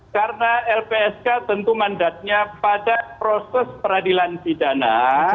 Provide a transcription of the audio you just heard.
karena lpsk tentu mandatnya pada proses peradilan pidana